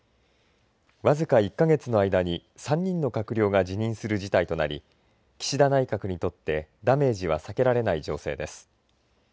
僅か１か月の間に３人の閣僚が辞任する事態となり岸田内閣にとってダメージは避けられない情勢です。